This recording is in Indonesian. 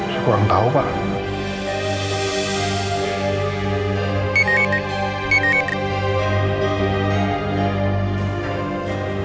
saya kurang tahu pak